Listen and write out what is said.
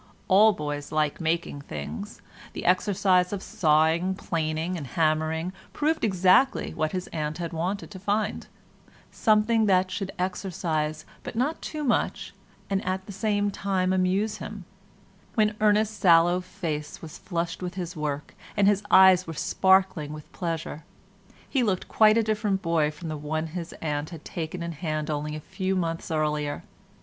All boys like making things; the exercise of sawing, planing and hammering, proved exactly what his aunt had wanted to find—something that should exercise, but not too much, and at the same time amuse him; when Ernest's sallow face was flushed with his work, and his eyes were sparkling with pleasure, he looked quite a different boy from the one his aunt had taken in hand only a few months earlier.